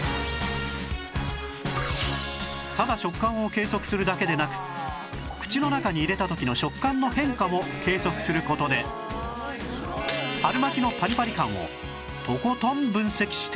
ただ食感を計測するだけでなく口の中に入れた時の食感の変化も計測する事で春巻のパリパリ感をとことん分析しているんです